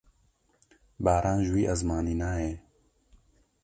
Baran ji wî esmanî nayê.